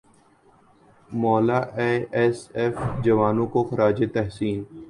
مولا A S F جوانوں کو خراج تحسین